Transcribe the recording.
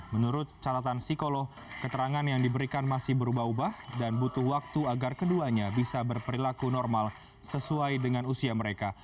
menurut catatan psikolog keterangan yang diberikan masih berubah ubah dan butuh waktu agar keduanya bisa berperilaku normal sesuai dengan usia mereka